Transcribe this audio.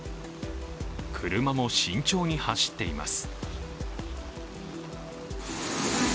車も慎重に走っています。